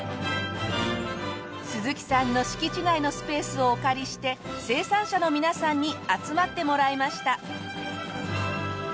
鈴木さんの敷地内のスペースをお借りして生産者の皆さんに集まってもらいました。